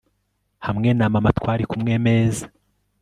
Hamwe na mama twari kumwe meza